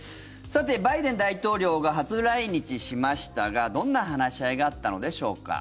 さて、バイデン大統領が初来日しましたがどんな話し合いがあったのでしょうか。